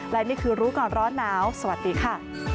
และนี่คือรู้ก่อนร้อนหนาวสวัสดีค่ะ